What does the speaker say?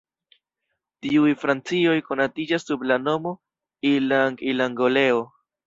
Tiuj frakcioj konatiĝas sub la nomo Ilang-Ilangoleo.